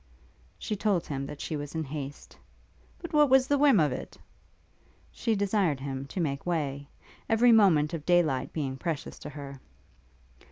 She told him that she was in haste. 'But what was the whim of it?' She desired him to make way, every moment of day light being precious to her.